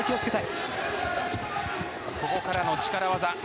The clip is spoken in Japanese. ここからの力技。